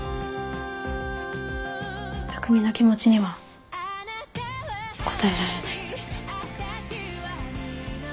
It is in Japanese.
匠の気持ちには応えられない。